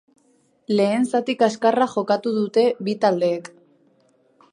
Lehen zati kaskarra jokatu dute bi taldeek.